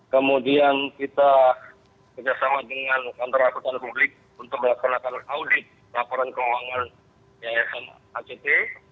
kemudian kita bekerjasama dengan kantor laporan publik untuk melakukan audit laporan keuangan yayasan act